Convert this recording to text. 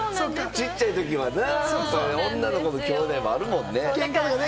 ちっちゃいときはな、女のきょうだいもあるもんね。